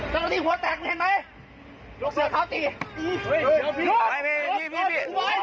ยกเสือขาวตี